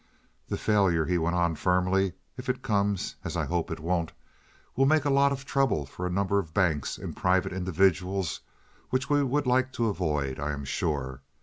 "The failure," he went on, firmly, "if it comes, as I hope it won't, will make a lot of trouble for a number of banks and private individuals which we would like to avoid, I am sure.